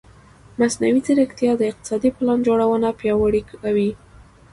مصنوعي ځیرکتیا د اقتصادي پلان جوړونه پیاوړې کوي.